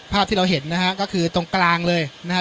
ภาพที่เราเห็นนะฮะก็คือตรงกลางเลยนะฮะ